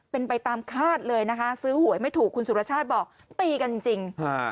เป็นไปตามคาดเลยนะคะซื้อหวยไม่ถูกคุณสุรชาติบอกตีกันจริง